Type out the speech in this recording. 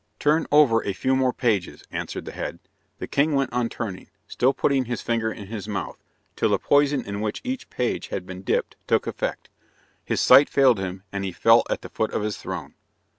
"Turn over a few more pages," answered the head. The king went on turning, still putting his finger in his mouth, till the poison in which each page was dipped took effect. His sight failed him, and he fell at the foot of his throne.